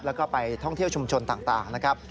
แล้วก็ไปท่องเที่ยวชุมชนต่างนะครับ